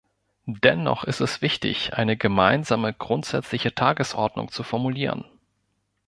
Dennoch ist es wichtig, eine gemeinsame grundsätzliche Tagungsordnung zu formulieren.